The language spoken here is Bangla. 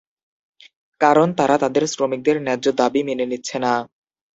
কারণ তারা তাদের শ্রমিকদের ন্যায্য দাবী মেনে নিচ্ছে না।